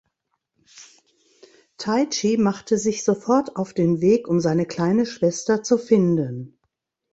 Taichi macht sich sofort auf den Weg um seine kleine Schwester zu finden.